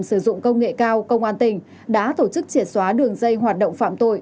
sử dụng công nghệ cao công an tỉnh đã tổ chức triệt xóa đường dây hoạt động phạm tội